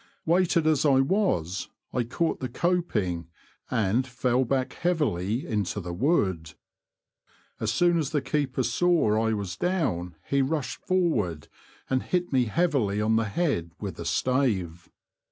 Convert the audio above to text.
Weighted as I was I caught the coping, and fell back heavily into the wood. As soon as the keeper saw I was down he rushed forward and hit me heavily on the head with a stave.